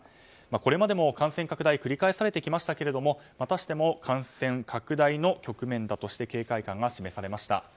これまでも感染拡大繰り返されてきましたけどまたしても感染拡大の局面だとして警戒感が示されました。